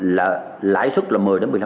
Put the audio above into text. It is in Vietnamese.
là lãi xuất là một mươi một mươi năm